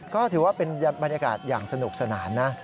ก็ถือว่าเป็นบรรยากาศอย่างสนุกสนานนะ